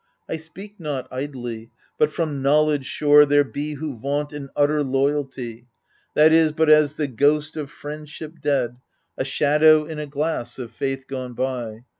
I speak not idly, but from knowledge sure — There be who vaunt an utter loyalty, That is but as the ghost of friendship dead, A shadow in a glass, of faith gone by.